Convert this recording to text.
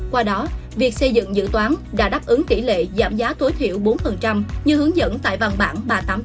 qua đó việc xây dựng dự toán đã đáp ứng tỷ lệ giảm giá tối thiểu bốn như hướng dẫn tại văn bản ba trăm tám mươi